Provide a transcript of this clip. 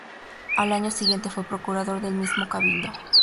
Al año siguiente fue procurador del mismo Cabildo.